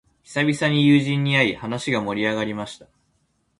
久々に友人に会い、話が盛り上がりました。